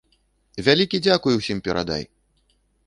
Вялікі дзякуй усім перадай!